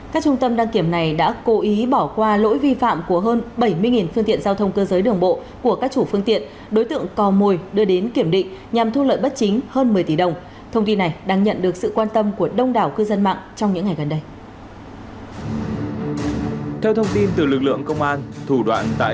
các trung tâm đăng kiểm này đã cố ý bỏ qua lỗi vi phạm của hơn bảy mươi phương tiện giao thông cơ giới đường bộ của các chủ phương tiện đối tượng co mồi đưa đến kiểm định nhằm thu lợi bất chính hơn một mươi tỷ đồng thông tin này đang nhận được sự quan tâm của đông đảo cư dân mạng trong những ngày gần đây